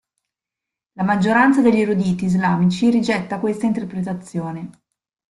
La maggioranza degli eruditi islamici rigetta questa interpretazione.